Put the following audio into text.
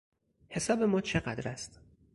حساب ما چقدر است؟